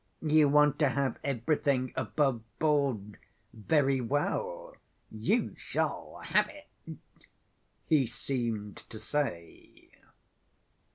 "You want to have everything above‐board; very well, you shall have it," he seemed to say.